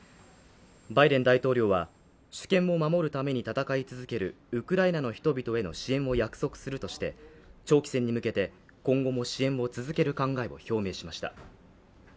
バイデン大統領は、主権を守るために戦い続けるウクライナの人々への支援を約束するとして長期戦に向けて今後も支援を続ける考えを示しました。